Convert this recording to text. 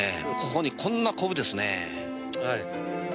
ここにこんなコブですね。